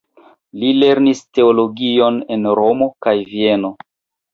Li lernis teologion en Romo kaj Vieno.